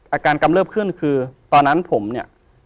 อาการกำเลิฟขึ้นคือตอนนั้นผมเนี่ย